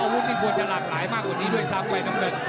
อาวุธนี่ควรจะหลากหลายมากกว่านี้ด้วยซ้ำไปน้ำเงิน